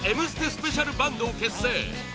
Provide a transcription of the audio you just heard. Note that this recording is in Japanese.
スペシャルバンドを結成